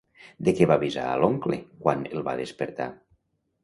De què va avisar a l'oncle quan el va despertar?